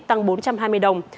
tăng bốn trăm hai mươi đồng